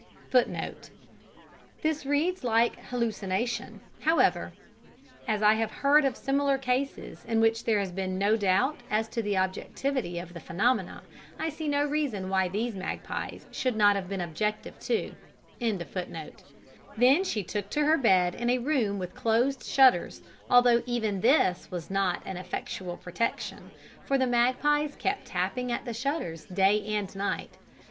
(This reads like hallucination. However, as I have heard of similar cases, in which there has been no doubt as to the objectivity of the phenomena, I see no reason why these magpies should not have been objective too.) "Then she took to her bed in a room with closed shutters, although even this was not an effectual protection, for the magpies kept tapping at the shutters day and night."